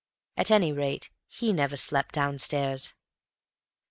At any rate, he never slept downstairs.